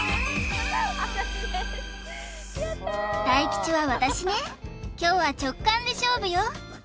大吉は私ね今日は直感で勝負よ！